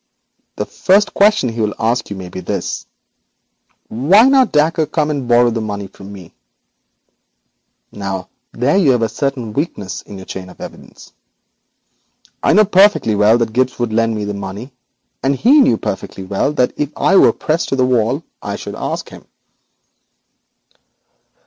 The first question he will ask you may be this: "Why did not Dacre come and borrow the money from me?" Now there you find a certain weakness in your chain of evidence. I knew perfectly well that Gibbes would lend me the money, and he knew perfectly well that if I were pressed to the wall I should ask him.'